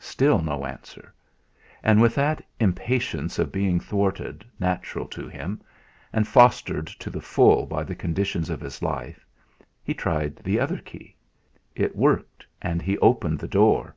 Still no answer. And with that impatience of being thwarted, natural to him, and fostered to the full by the conditions of his life, he tried the other key. It worked, and he opened the door.